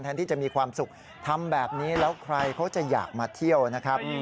ที่จะมีความสุขทำแบบนี้แล้วใครเขาจะอยากมาเที่ยวนะครับ